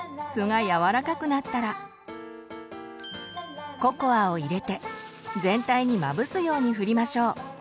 麩が柔らかくなったらココアを入れて全体にまぶすように振りましょう。